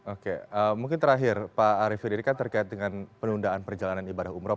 oke mungkin terakhir pak arief ini kan terkait dengan penundaan perjalanan ibadah umroh